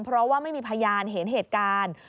เพราะว่าไม่มีพยานเห็นเหตุการณ์